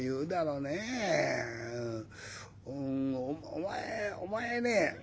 お前お前ね